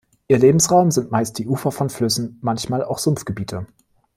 Ihr Lebensraum sind meist die Ufer von Flüssen, manchmal auch Sumpfgebiete.